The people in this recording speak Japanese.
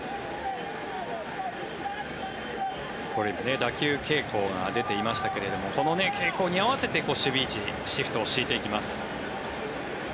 打球傾向が出ていましたけどこの傾向に合わせて守備位置シフトを敷いていきます。